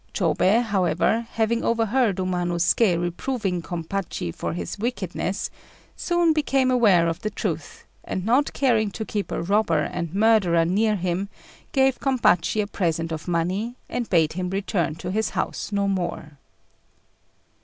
Chôbei, however, having overheard Umanosuké reproving Gompachi for his wickedness, soon became aware of the truth; and not caring to keep a robber and murderer near him, gave Gompachi a present of money, and bade him return to his house no more.